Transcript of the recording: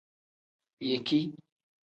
Yeki.